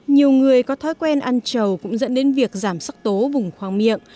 nhiều người có thói quen ăn trầu cũng dẫn đến việc giảm sắc tố vùng khoang miệng